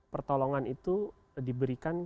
pertolongan itu diberikan